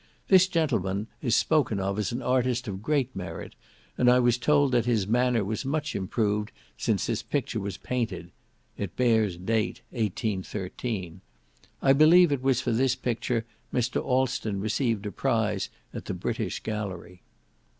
This gentleman is spoken of as an artist of great merit, and I was told that his manner was much improved since this picture was painted, (it bears date, 1813). I believe it was for this picture Mr. Alston received a prize at the British Gallery.